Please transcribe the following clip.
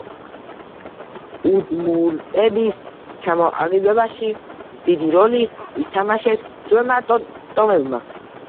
უდმურტების ჩამოყალიბებაში დიდი როლი ითამაშეს ძველმა ტომებმა.